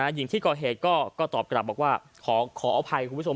หญิงที่ก่อเหตุก็ตอบกลับบอกว่าขออภัยคุณผู้ชม